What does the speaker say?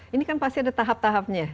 ini kan pasti ada tahap tahapnya